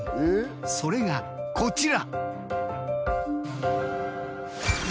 それがこちら。